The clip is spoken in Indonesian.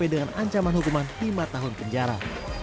dengan ancaman hukuman lima tahun penjara